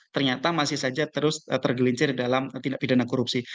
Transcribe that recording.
ternyata masih saja terus tergelincir dalam tindak pidana korupsi